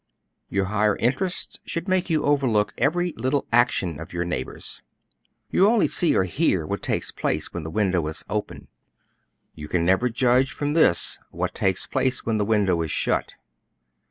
Your higher interests should make you overlook every little action of your neighbors. You only see or hear what takes place when the window is open; you can never judge from this what takes place when the window is shut.